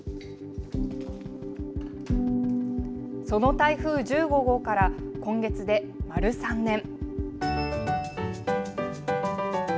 その台風１５号から今月で丸３年。